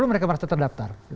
mereka harus terdaftar